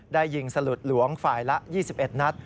ยิงสลุดหลวงฝ่ายละ๒๑นัด